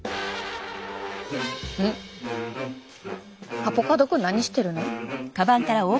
アボカドくん何してるの？